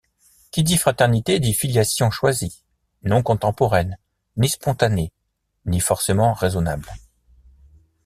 Qui dit fraternité dit filiation choisie - non contemporaine, ni spontanée, ni forcément raisonnable.